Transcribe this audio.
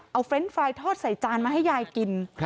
เอาเฟรนด์ไฟล์ทอดใส่จานมาให้ยายกิน